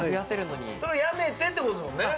それをやめてってことですもんね。